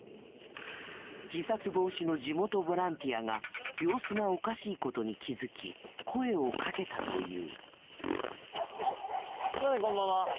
自殺防止の地元ボランティアが様子がおかしいことに気づき声をかけたという。